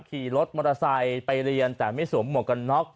ขี่รถมอเทคไปเรียนแต่ไม่สวมมะกระน็อก